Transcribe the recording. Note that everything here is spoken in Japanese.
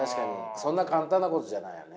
そんな簡単なことじゃないよね。